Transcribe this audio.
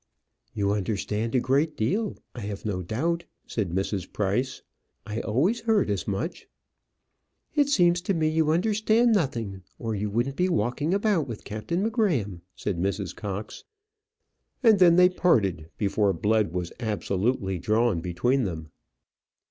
"You understand a great deal, I have no doubt," said Mrs. Price. "I always heard as much." "It seems to me you understand nothing, or you wouldn't be walking about with Captain M'Gramm," said Mrs. Cox. And then they parted, before blood was absolutely drawn between them.